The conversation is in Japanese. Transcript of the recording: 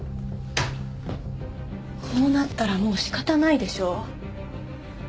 こうなったらもう仕方ないでしょ。